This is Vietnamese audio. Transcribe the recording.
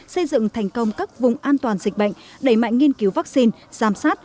xây dựng thành công các vùng an toàn dịch bệnh đẩy mạnh nghiên cứu vaccine giám sát